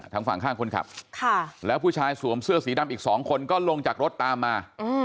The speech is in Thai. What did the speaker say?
ทางฝั่งข้างคนขับแล้วผู้ชายสวมเสื้อสีดำอีก๒คนก็ลงจากรถตามมา